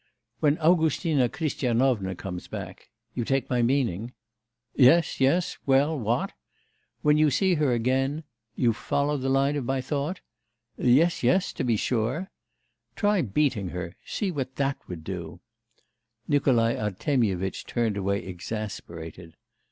'When Augustina Christianovna comes back you take my meaning?' 'Yes, yes; well, what?' 'When you see her again you follow the line of my thought?' 'Yes, yes, to be sure.' 'Try beating her; see what that would do.' Nikolai Artemyevitch turned away exasperated.